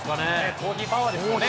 コーヒーパワーですよね。